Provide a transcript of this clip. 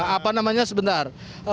apa namanya sebentar